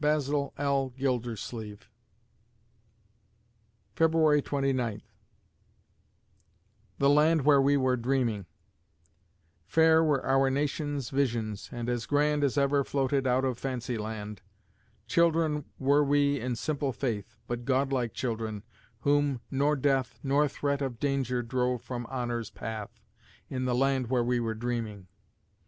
BASIL L. GILDERSLEEVE February Twenty Ninth THE LAND WHERE WE WERE DREAMING Fair were our nation's visions, and as grand As ever floated out of fancy land; Children were we in simple faith, But god like children, whom nor death, Nor threat of danger drove from honor's path In the land where we were dreaming!